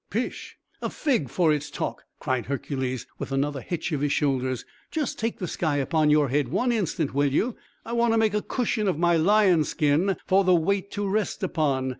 "Pish! a fig for its talk!" cried Hercules, with another hitch of his shoulders. "Just take the sky upon your head one instant, will you? I want to make a cushion of my lion's skin, for the weight to rest upon.